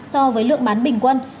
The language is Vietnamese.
so với lượng bán bình quân